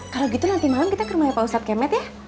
kalau gitu nanti malam kita ke rumahnya pak ustadz kemet ya